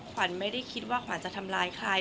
ขวัญไม่ได้คิดว่าขวัญจะทำร้ายใคร